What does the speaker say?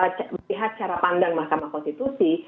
lihat cara pandang mahkamah konstitusi